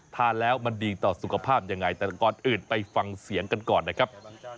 ทานแล้วมันดีต่อสุขภาพยังไงแต่ก่อนอื่นไปฟังเสียงกันก่อนนะครับ